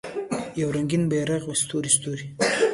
یو رنګین بیرغ وي ستوری، ستوری